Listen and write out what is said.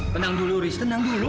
tenang dulu ris tenang dulu